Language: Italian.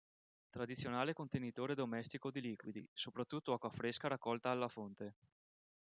Tradizionale contenitore domestico di liquidi, soprattutto acqua fresca raccolta alla fonte.